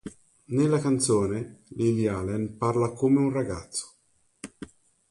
Nella canzone, Lily Allen parla come un ragazzo.